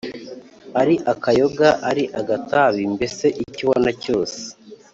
ari akayoga ari agatabi, mbese icyo ubona cyose,